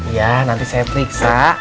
ya nanti saya periksa